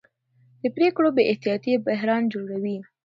د پرېکړو بې احتیاطي بحران جوړوي